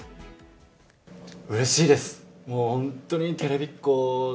うれしいです。